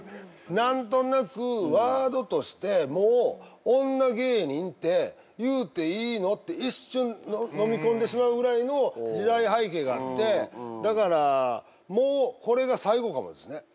何となくワードとしてもう女芸人って言うていいの？って一瞬のみ込んでしまうぐらいの時代背景があってだからもうこれが最後かもですね